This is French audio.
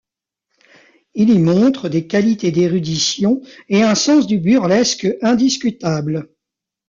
Il y montre des qualités d'érudition et un sens du burlesque indiscutables.